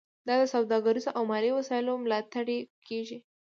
دا د سوداګریزو او مالي وسایلو ملاتړ کیږي